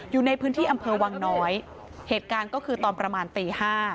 อยู่ในพื้นที่อำเภอวังน้อยเหตุการณ์ก็คือตอนประมาณตี๕